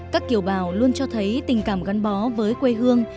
các kiều bào luôn cho thấy tình cảm gắn bó với quê hương